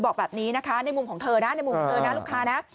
เธอบอกแบบนี้นะในมุมของลูกค้านะ